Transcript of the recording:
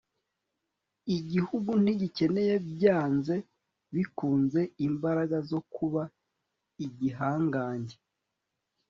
Igihugu ntigikeneye byanze bikunze imbaraga zo kuba igihangange